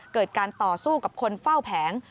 เกิดการต่อสู้กับคนเฝ้าแผง